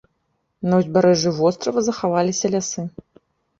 На ўзбярэжжы вострава захаваліся лясы.